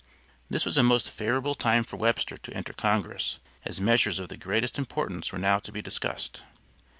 This was a most favorable time for Webster to enter Congress, as measures of the greatest importance were now to be discussed.